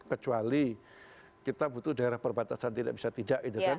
kecuali kita butuh daerah perbatasan tidak bisa tidak